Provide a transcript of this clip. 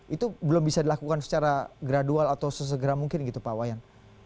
itu belum bisa dilakukan secara gradual atau sesegera mungkin gitu pak wayan